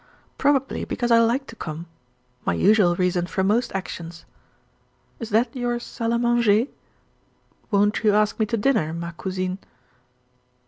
Probably, because I liked to come my usual reason for most actions. Is that your salle a manger? Won't you ask me to dinner, ma cousine?"